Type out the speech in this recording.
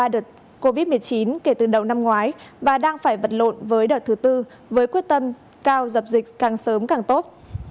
ba đợt covid một mươi chín kể từ đầu năm ngoái và đang phải vật lộn với đợt thứ bốn với quyết định chống dịch covid một mươi chín